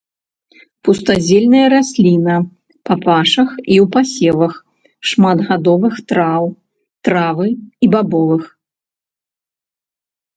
Пустазельная расліна па пашах і ў пасевах шматгадовых траў, травы і бабовых.